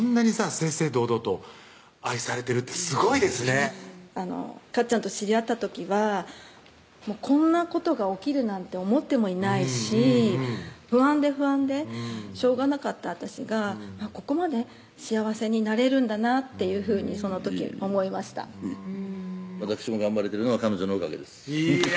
正々堂々と愛されてるってすごいですねかっちゃんと知り合った時はこんなことが起きるなんて思ってもいないし不安で不安でしょうがなかった私がここまで幸せになれるんだなっていうふうにその時思いましたわたくしも頑張れてるのは彼女のおかげですいや